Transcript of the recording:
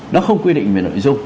nó không quy định về nội dung